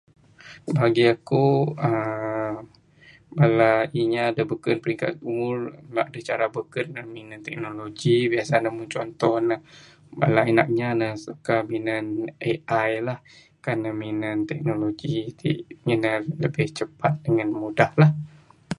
Bagi eku uhh bala inya de beken de-peli-ngu bicara de beken, minan teknologi, biasa ne mung cuntoh ne, bala nak inya de suka minan Ai lah, kan nan teknologi itik, ngin ne lebih cepat, ngin mudah lah.